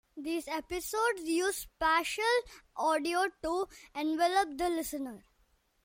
These episodes use spatial audio to envelop the listener.